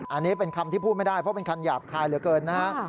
อันนี้เป็นคำที่พูดไม่ได้เพราะเป็นคำหยาบคายเหลือเกินนะฮะ